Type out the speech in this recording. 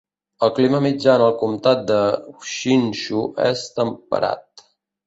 El clima mitjà en el comtat de Hsinchu és temperat.